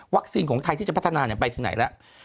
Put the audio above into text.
ของไทยที่จะพัฒนาไปถึงไหนแล้ว